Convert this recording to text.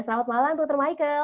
selamat malam dr michael